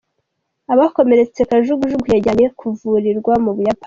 Abakomeretse kajugujugu yajyanye kuvurirwa mu Buyapani .